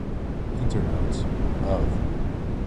Internodes, of.